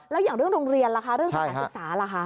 แล้วอย่างเรื่องโรงเรียนล่ะคะเรื่องสถานศึกษาล่ะคะ